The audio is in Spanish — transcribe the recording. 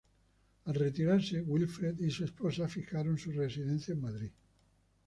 Al retirarse, Wilfred y su esposa fijaron su residencia en Madrid.